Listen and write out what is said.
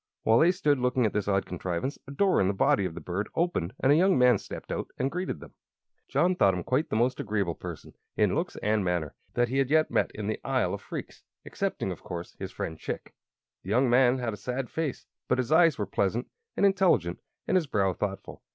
While they stood looking at this odd contrivance a door in the body of the bird opened and a young man stepped out and greeted them. [Illustration: "THIS IS IMAR," SAID CHICK] John thought him quite the most agreeable person, in looks and manner, that he had yet met in the Isle of Phreex; excepting, of course, his friend Chick. The young man had a sad face, but his eyes were pleasant and intelligent and his brow thoughtful.